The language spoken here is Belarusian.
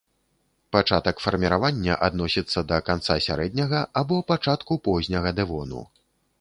Пачатак фарміравання адносіцца да канца сярэдняга або пачатку позняга дэвону.